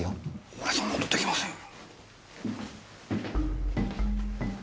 俺そんな事できませんよ。